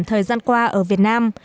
thời gian qua ở việt nam